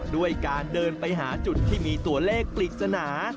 ด้วยการเดินไปหาจุดที่มีตัวเลขปริศนา